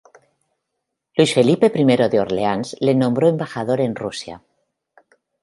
Luis Felipe I de Orleans le nombró embajador en Rusia.